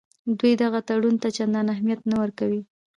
دوی دغه تړون ته چندان اهمیت نه ورکوي.